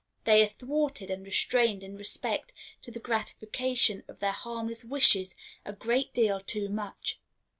They are thwarted and restrained in respect to the gratification of their harmless wishes a great deal too much.